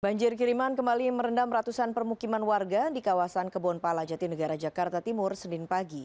banjir kiriman kembali merendam ratusan permukiman warga di kawasan kebonpala jati negara jakarta timur senin pagi